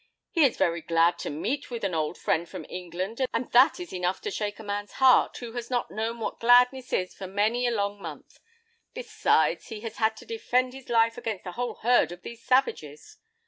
He is very glad to meet with an old friend from England, and that is enough to shake a man's heart who has not known what gladness is for many a long month. Besides, he has had to defend his life against a whole herd of these savages.